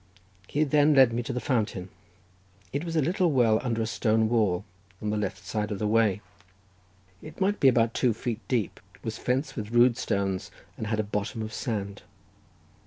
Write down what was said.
He then led me to the fountain. It was a little well under a stone wall, on the left side of the way. It might be about two feet deep, was fenced with rude stones, and had a bottom of sand.